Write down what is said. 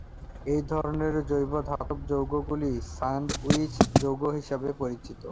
এই ধরনের জৈব ধাতব যৌগ গুলি স্যান্ডউইচ যৌগ হিসাবে পরিচিত।